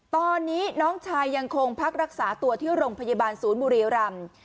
ตอนนี้น้องชายยังคงพักรักษาตัวที่โรงพยาบาลศูนย์บุรีรำ